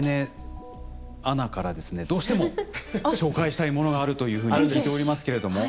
どうしても紹介したいものがあるというふうに聞いておりますけれども。